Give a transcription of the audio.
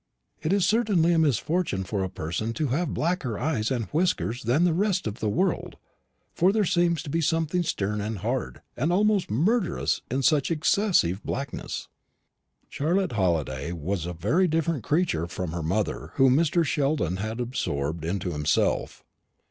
"It is certainly a misfortune for a person to have blacker eyes and whiskers than the rest of the world; for there seems something stern and hard, and almost murderous, in such excessive blackness." Charlotte Halliday was a very different creature from the mother whom Mr. Sheldon had absorbed into himself.